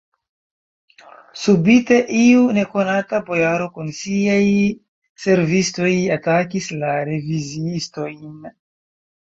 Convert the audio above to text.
Subite iu nekonata bojaro kun siaj servistoj atakis la reviziistojn.